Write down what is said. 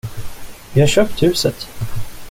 Vi har köpt huset!